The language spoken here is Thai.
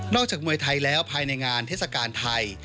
จากมวยไทยแล้วภายในงานเทศกาลไทย